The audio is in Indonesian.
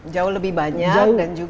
jauh lebih banyak